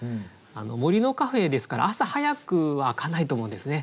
「森のカフェ」ですから朝早くは開かないと思うんですね。